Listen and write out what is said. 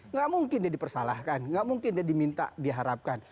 nggak mungkin dia dipersalahkan nggak mungkin dia diminta diharapkan